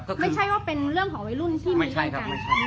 ไม่ใช่ว่าเป็นเรื่องของไวกลุ่นที่มีสินการ